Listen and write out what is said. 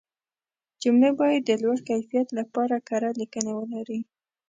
جملې باید د لوړ کیفیت لپاره کره لیکنې ولري.